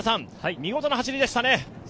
見事な走りでしたね。